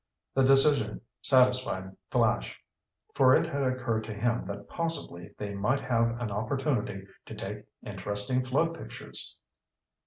The decision satisfied Flash, for it had occurred to him that possibly they might have an opportunity to take interesting flood pictures.